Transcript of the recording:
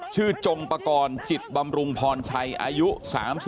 ชื่อจงปกรณ์จิตบำรุงพรชัยอายุ๓๓ปี